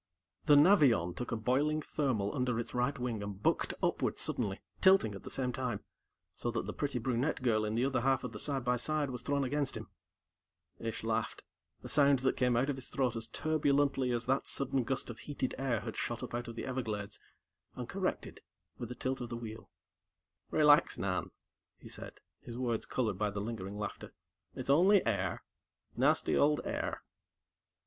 The Navion took a boiling thermal under its right wing and bucked upward suddenly, tilting at the same time, so that the pretty brunette girl in the other half of the side by side was thrown against him. Ish laughed, a sound that came out of his throat as turbulently as that sudden gust of heated air had shot up out of the Everglades, and corrected with a tilt of the wheel. "Relax, Nan," he said, his words colored by the lingering laughter. "It's only air; nasty old air."